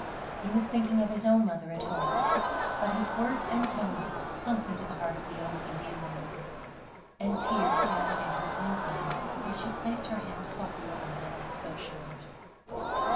He was thinking of his own mother at home; but his words and tones sunk into the heart of the old Indian woman, and tears gathered in her dim eyes as she placed her hand softly on Francisco's shoulders.